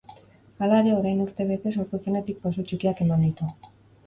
Hala ere, orain urte bete sortu zenetik, pauso txikiak eman ditu.